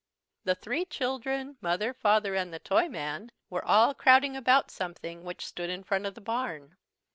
The three children, Mother, Father, and the Toyman, were all crowding about something which stood in front of the barn.